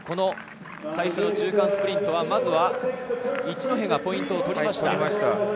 最初の中間スプリント、まずは一戸がポイントを取りました。